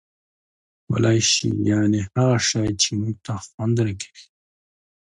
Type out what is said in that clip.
ښکلی شي یعني هغه شي، چي موږ ته خوند راکوي.